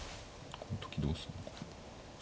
この時どうするのかな。